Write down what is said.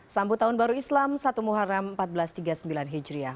sambut tahun baru islam satu muharam seribu empat ratus tiga puluh sembilan hijriah